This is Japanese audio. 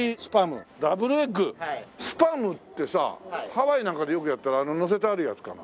スパムってさハワイなんかでよくやってるあののせてあるやつかな？